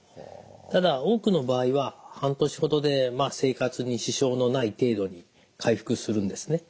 ただ多くの場合は半年ほどでまあ生活に支障のない程度に回復するんですね。